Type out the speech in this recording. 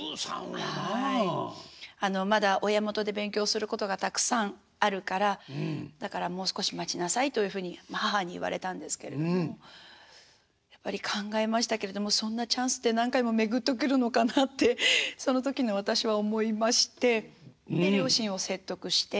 あのまだ親元で勉強することがたくさんあるからだからもう少し待ちなさいというふうに母に言われたんですけれどもやっぱり考えましたけれどもそんなチャンスって何回も巡ってくるのかなってその時の私は思いましてで両親を説得して。